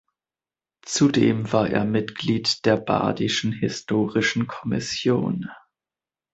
Zudem war er Mitglied der Badischen Historischen Kommission.